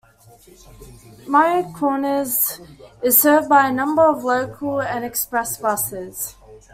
Meiers Corners is served by a number of local and express buses.